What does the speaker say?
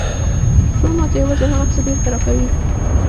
ژوند ماته یوازې هغه څه بېرته راکوي